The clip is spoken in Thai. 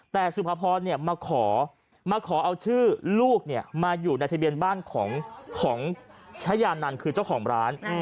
แต่สุภพรมาขอมาขอเอาชื่อลูกมาอยู่ในทะเบียนบ้านของชายานันคือเจ้าของร้าน